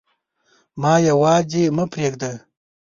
ما یواځي مه پریږده